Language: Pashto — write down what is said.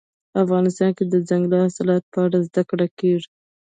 افغانستان کې د دځنګل حاصلات په اړه زده کړه کېږي.